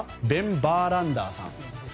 ベン・バーランダーさん。